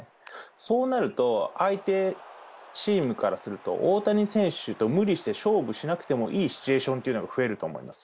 そうなると、相手チームからすると、大谷選手と無理して勝負しなくてもいいシチュエーションというのが増えると思います。